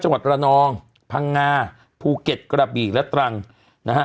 จังหวัดระนองพังงาภูเก็ตกระบี่และตรังนะฮะ